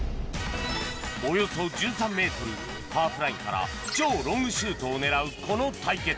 およそ１３メートルハーフラインから超ロングシュートを狙うこの対決